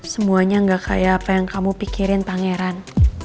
semuanya gak kayak apa yang kamu pikirin pangeran